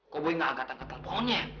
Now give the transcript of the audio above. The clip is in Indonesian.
kok boy gak angkat tangan telfonnya